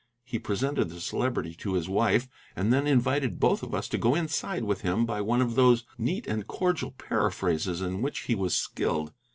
He presented the Celebrity to his wife, and then invited both of us to go inside with him by one of those neat and cordial paraphrases in which he was skilled.